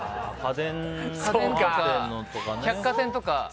家電とか百貨店とか。